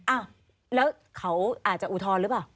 อ้าวแล้วเขาอาจจะอุทธรณ์หรือเปล่า